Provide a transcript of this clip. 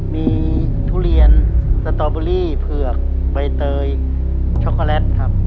มีทุเรียนสตอเบอรี่เผือกใบเตยช็อกโกแลตครับ